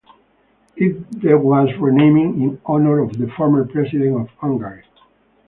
It then was renamed in honour of the former president of Hungary.